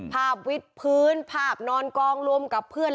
วิทพื้นภาพนอนกองรวมกับเพื่อน